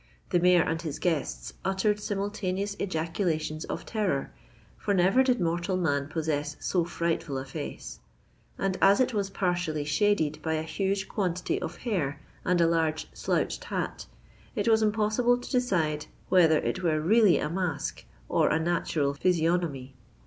The Mayor and his guests uttered simultaneous ejaculations of terror; for never did mortal man possess so frightful a face; and as it was partially shaded by a huge quantity of hair and a large slouched hat, it was impossible to decide whether it were really a mask or a natural physiognomy.